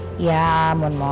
mana kita belum makan gimana sih